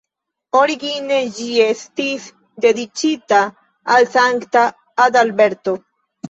Origine ĝi estis dediĉita al Sankta Adalberto.